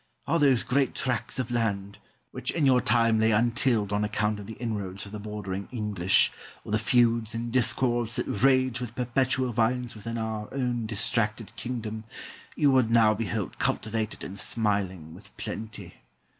All those great tracts of land, which in your time lay untilled on account of the inroads of the bordering English, or the feuds and discords that raged with perpetual violence within our own distracted kingdom, you would now behold cultivated and smiling with plenty.